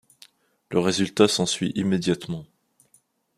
Le résultat s'ensuit immédiatement.